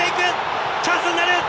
チャンスになる！